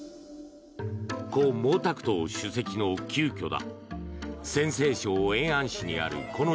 故・毛沢東主席の旧居だ。